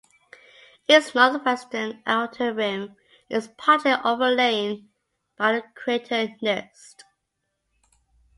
Its northwestern outer rim is partly overlain by the crater Nernst.